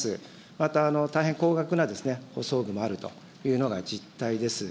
また大変高額な補装具もあるというのが実態です。